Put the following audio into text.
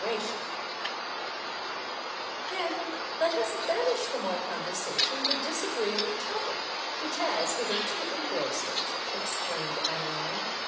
"Then let us banish from our conversation the disagreeable topic which has hitherto engrossed it," exclaimed Adeline.